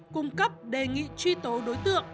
cung cấp đề nghị truy tố đối tượng